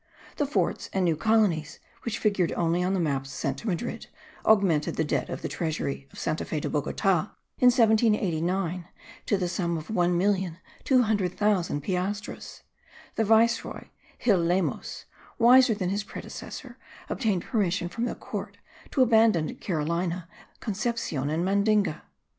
The forts and new colonies, which figured only on the maps sent to Madrid, augmented the debt of the treasury of Santa Fe de Bogota, in 1789, to the sum of 1,200,000 piastres. The viceroy, Gil Lemos, wiser than his predecessor, obtained permission from the Court to abandon Carolina, Concepcion and Mandinga.